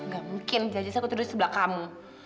gak mungkin jajah saya tuh udah sebelah kamu